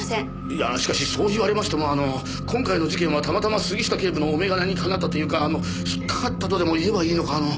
いやしかしそう言われましてもあの今回の事件はたまたま杉下警部のお眼鏡にかなったというかあの引っかかったとでも言えばいいのかあの。